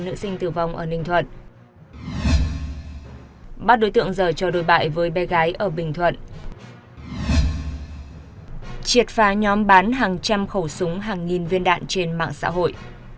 triệt phá nhóm bán hàng trăm khẩu súng hàng nghìn viên đạn trên mạng xã hội